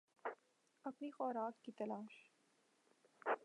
اپنی خوراک کی تلاش